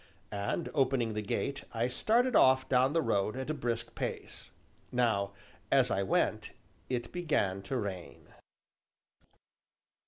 And, opening the gate, I started off down the road at a brisk pace. Now, as I went, it began to rain.